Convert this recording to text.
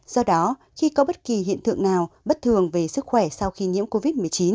do đó khi có bất kỳ hiện tượng nào bất thường về sức khỏe sau khi nhiễm covid một mươi chín